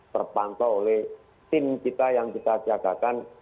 terpantau oleh tim kita yang kita jagakan